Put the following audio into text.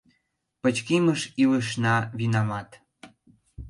Пычкемыш илышна винамат.